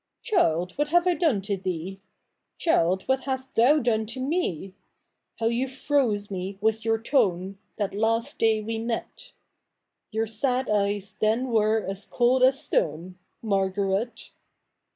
Child, what have I done to thee ? Child, what hast thoii done to me ? How you froze me with your tone That last day we met ! Your sad eyes then we7 e cold as stone, Margaret.